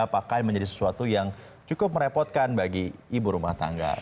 apakah menjadi sesuatu yang cukup merepotkan bagi ibu rumah tangga